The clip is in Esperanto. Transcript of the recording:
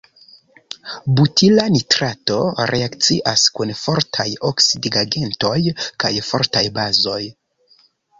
Butila nitrato reakcias kun fortaj oksidigagentoj kaj fortaj bazoj.